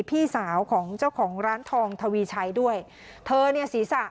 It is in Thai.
พี่สาวของเจ้าของร้านทองทวีชัยด้วยเธอเนี่ยศีรษะ